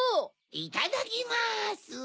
いただきます。